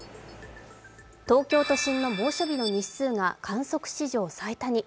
東京都心の猛暑日の日数が観測史上最多に。